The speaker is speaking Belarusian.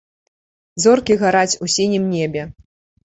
Зоркі гараць у сінім небе.